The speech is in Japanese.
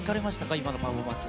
今のパフォーマンス。